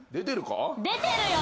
出てるよ！